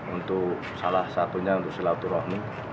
untuk salah satunya untuk silaturahmi